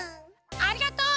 ありがとう！